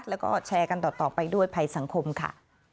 แล้วก็แชร์กันต่อไปด้วยภัยสังคมค่ะ